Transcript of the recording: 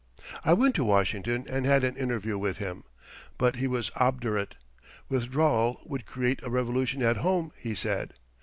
I went to Washington and had an interview with him. But he was obdurate. Withdrawal would create a revolution at home, he said.